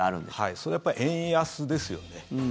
それはやっぱり円安ですよね。